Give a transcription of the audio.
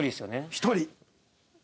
１人。